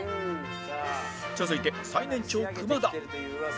続いて最年長熊田